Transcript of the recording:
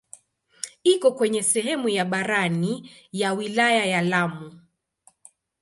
Iko kwenye sehemu ya barani ya wilaya ya Lamu.